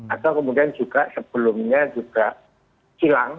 atau kemudian juga sebelumnya juga hilang